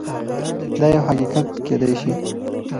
دا يو حقيقت کيدای شي.